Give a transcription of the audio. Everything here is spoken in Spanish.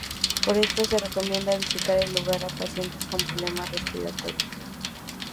Por esto se recomienda visitar el lugar a pacientes con problemas respiratorios.